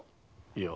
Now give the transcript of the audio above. いや。